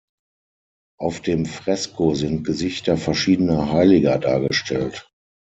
Auf dem Fresko sind Gesichter verschiedener Heiliger dargestellt.